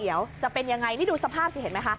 มีสภาพจะเป็นยังไงดูใจสภาพเขาเห็นไหมคะ